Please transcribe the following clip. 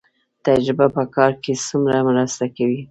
تجربه په کار کې څومره مرسته کوي؟